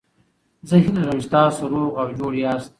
زه هیله لرم چې تاسو روغ او جوړ یاست.